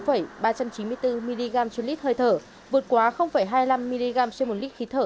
đối tượng có nông độ đảm ba trăm chín mươi bốn mg trên lít hơi thở vượt quá hai mươi năm mg trên một lít khí thở